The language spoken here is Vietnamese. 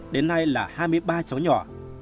đến nay là hai mươi ba cháu nhỏ